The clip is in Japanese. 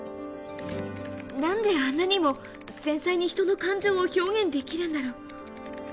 なんであんなにも繊細に人の感情を表現できるんだろう。